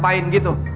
aku mau ke rumah